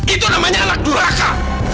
itu namanya anak duraka